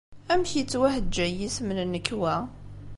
Amek yettwaheǧǧay yisem n nnekwa-?